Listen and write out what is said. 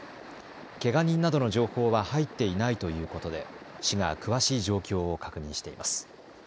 けが人などの情報は入っていないということで市が詳しい状況を確認しています。